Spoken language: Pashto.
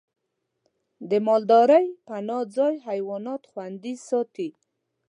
د مالدارۍ پناه ځای حیوانات خوندي ساتي.